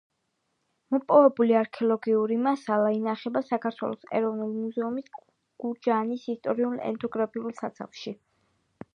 მოპოვებული არქეოლოგიური მასალა ინახება საქართველოს ეროვნული მუზეუმის გურჯაანის ისტორიულ, ეთნოგრაფიულ საცავში.